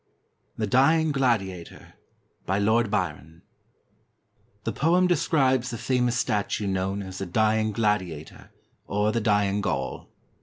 THE DYING GLADIATOR BY LORD BYRON [The poem describes the famous statue known as the Dying Gladiator, or the Dying Gaul.